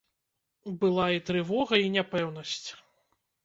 Была і трывога і няпэўнасць.